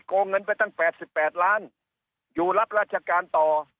งเงินไปตั้ง๘๘ล้านอยู่รับราชการต่อ